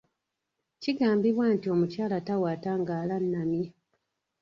Kigambibwa nti omukyala tawaata ng'alannamye.